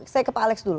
saya ke pak alex dulu